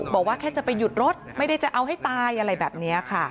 บอกว่าแค่จะไปหยุดรถไม่ได้จะเอาให้ตายอะไรแบบนี้ค่ะ